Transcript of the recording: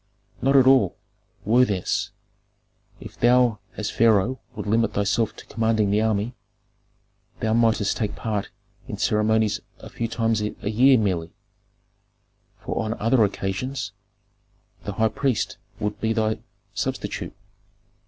"Not at all. Worthiness, if thou as pharaoh would limit thyself to commanding the army, thou mightst take part in ceremonies a few times a year merely, for on other occasions the high priest would be thy substitute.